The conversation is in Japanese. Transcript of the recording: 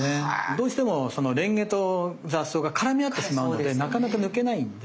どうしてもそのレンゲと雑草が絡み合ってしまうのでなかなか抜けないんですよ。